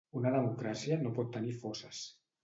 Una democràcia no pot tenir fosses